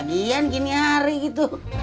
lagian kini hari gitu